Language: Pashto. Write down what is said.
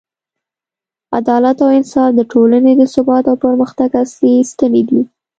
عدالت او انصاف د ټولنې د ثبات او پرمختګ اصلي ستنې دي.